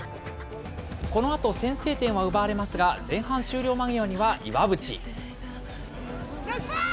このあと先制点は奪われますが、前半終了間際には岩渕。